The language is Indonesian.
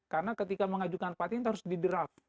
karena ketika mengajukan patent harus di draft